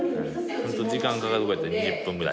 ホント時間かかる子やったら２０分ぐらい。